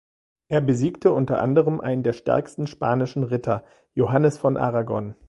Er besiegte unter anderem einen der stärksten spanischen Ritter, Johannes von Aragon.